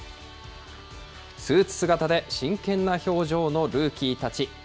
スーツ姿で真剣な表情のルーキーたち。